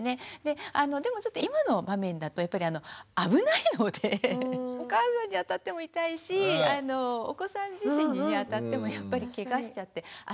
でもちょっと今の場面だとやっぱり危ないのでお母さんに当たっても痛いしお子さん自身に当たってもやっぱりケガしちゃって危ないので。